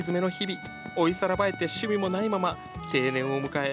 老いさらばえて趣味もないまま定年を迎え